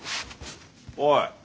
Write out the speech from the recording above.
おい。